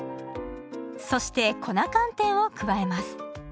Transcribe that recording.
そして粉寒天を加えます。